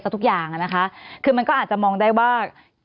ทุกอย่างนะคะคือมันก็อาจจะมองได้ว่า